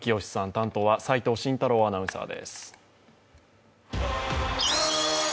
担当は齋藤慎太郎アナウンサーです。